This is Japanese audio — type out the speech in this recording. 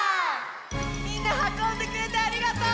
みんなはこんでくれてありがとう！